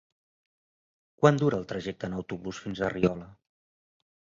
Quant dura el trajecte en autobús fins a Riola?